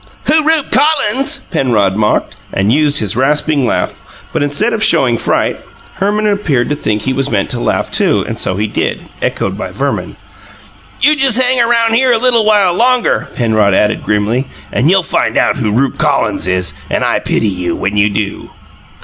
"'Who Rupe Collins?'" Penrod mocked, and used his rasping laugh, but, instead of showing fright, Herman appeared to think he was meant to laugh, too; and so he did, echoed by Verman. "You just hang around here a little while longer," Penrod added, grimly, "and you'll find out who Rupe Collins is, and I pity YOU when you do!"